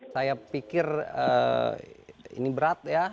saya pikir ini berat ya